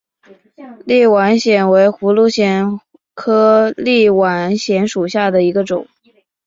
立碗藓为葫芦藓科立碗藓属下的一个种。